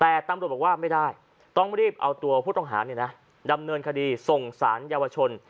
แต่ตำรวจบอกว่าไม่ได้ต้องรีบเอาตัวผู้ต้องหาดำเนินคดีส่งสารเยาวชน